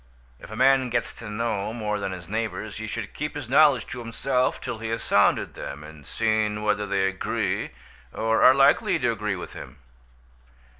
If a man gets to know more than his neighbours he should keep his knowledge to himself till he has sounded them, and seen whether they agree, or are likely to agree with him.